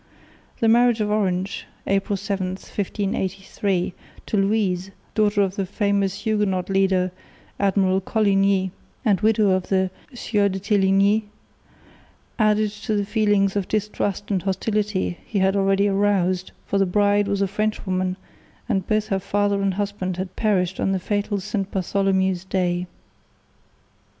The marriage of Orange, April 7, 1583, to Louise, daughter of the famous Huguenot leader Admiral Coligny, and widow of the Sieur de Téligny, added to the feelings of distrust and hostility he had already aroused, for the bride was a Frenchwoman and both her father and husband had perished on the fatal St Bartholomew's day.